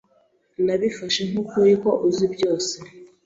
Nabifashe nk'ukuri ko uzi byose.